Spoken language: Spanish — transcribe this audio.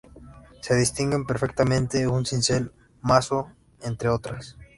Se distinguen perfectamente un cincel, mazo… entre otras.